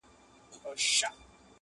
o له هر چا نه اول په خپل ځان باور ولره,